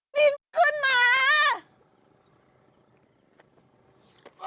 มิ้นขึ้นมา